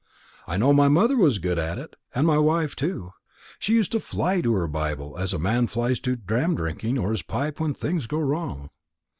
I know my mother was good at it, and my wife too. She used to fly to her Bible as a man flies to dram drinking, or his pipe, when things go wrong."